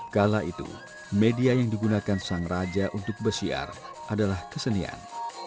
kala itu media yang digunakan sang raja untuk bersiar adalah kesenian